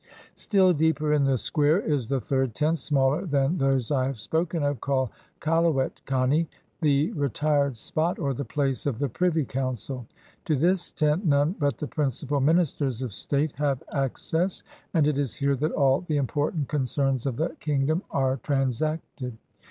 130 ON THE MARCH WITH AURUNGZEBE Still deeper in the square is the third tent, smaller than those I have spoken of, called kaluct kane, the retired spot, or the place of the privy council. To this tent none but the principal ministers of state have access, and it is here that all the important concerns of the kingdom are transacted.